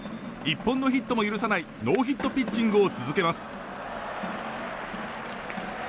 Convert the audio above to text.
１本のヒットも許さないノーヒットピッチングを続けます。